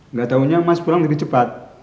nggak tahunya mas pulang lebih cepat